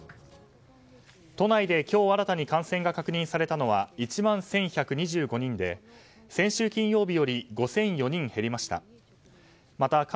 都内で今日新たに感染が確認されたのは１万１１２５人で先週金曜日より５００４人減りました。